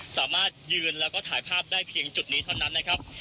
สามารถยืนแล้วก็ถ่ายภาพได้เพียงจุดนี้เท่านั้นนะครับ